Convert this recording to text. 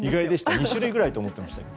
２種類くらいだと思っていました。